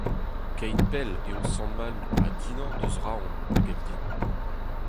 Keit pell eo Sant-Maloù ha Dinan eus Roazhon a gav din.